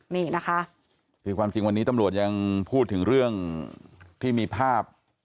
นี่นะคะคือความจริงวันนี้ตำรวจยังพูดถึงเรื่องที่มีภาพ